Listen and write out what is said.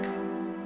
ya ya gak